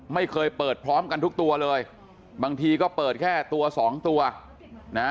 ไม่เคยเปิดพร้อมกันทุกตัวเลยบางทีก็เปิดแค่ตัวสองตัวนะ